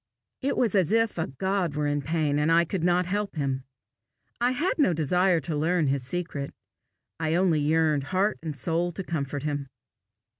It was as if a God were in pain, and I could not help him. I had no desire to learn his secret; I only yearned heart and soul to comfort him.